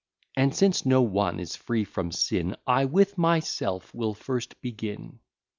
And since no one is free from sin, I with myself will first begin.